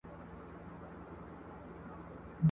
پیالې راتللای تر خړوبه خو چي نه تېرېدای !.